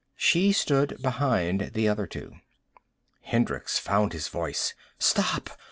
She stood behind the other two. Hendricks found his voice. "Stop!"